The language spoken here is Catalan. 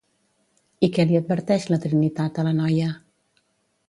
I què li adverteix la Trinitat a la noia?